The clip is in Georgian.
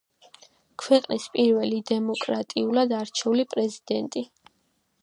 ქვეყნის პირველი დემოკრატიულად არჩეული პრეზიდენტი.